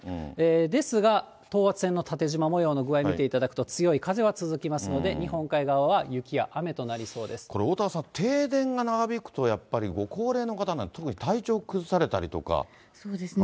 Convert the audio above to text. ですが等圧線の縦じま模様の具合見ていただくと、強い風は続きますので、日本海側は雪や雨となりこれ、おおたわさん、停電が長引くと、やっぱりご高齢の方なんて、そうですね。